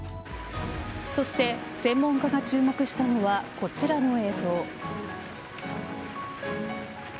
そして、専門家が注目したのはこちらの映像。